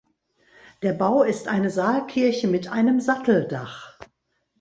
Der Bau ist eine Saalkirche mit einem Satteldach.